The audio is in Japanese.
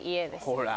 ほら。